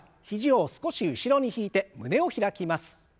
肘を少し後ろに引いて胸を開きます。